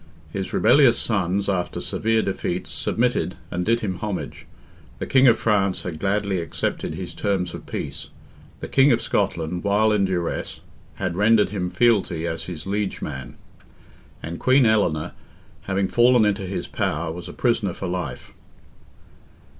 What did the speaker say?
His rebellious sons, after severe defeats, submitted, and did him homage; the King of France had gladly accepted his terms of peace; the King of Scotland, while in duress, had rendered him fealty as his liege man; and Queen Eleanor, having fallen into his power, was a prisoner for life.